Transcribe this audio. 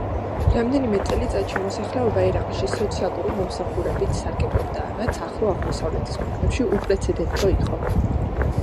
რამდენიმე წელიწადში მოსახლეობა ერაყში სოციალური მომსახურებით სარგებლობდა, რაც ახლო აღმოსავლეთის ქვეყნებში უპრეცედენტო იყო.